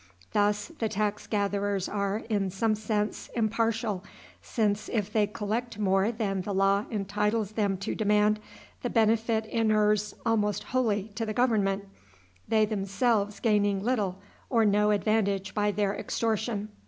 Thus the tax gatherers are, in some sense, impartial, since, if they collect more than the law entitles them to demand, the benefit inures almost wholly to the government, they themselves gaining little or no advantage by their extortion.